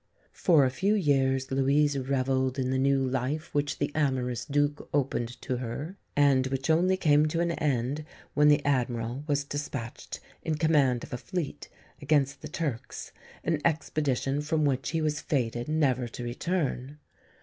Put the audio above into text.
For a few years Louise revelled in the new life which the amorous Duc opened to her, and which only came to an end when the Admiral was despatched, in command of a fleet, against the Turks, an expedition from which he was fated never to return.